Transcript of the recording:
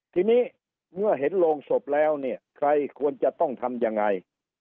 ทีนี้เมื่อเห็นโรงศพแล้วเนี่ยใครควรจะต้องทำยังไง